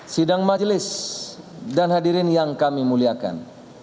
sidang majelis dan hadirin yang kami muliakan